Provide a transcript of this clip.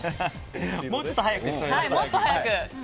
もうちょっと早くですね。